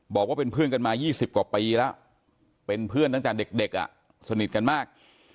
บอกว่าเป็นเพื่อนกันมา๒๐กว่าปีแล้วเป็นเพื่อนตั้งแต่เด็กสนิทกันมาก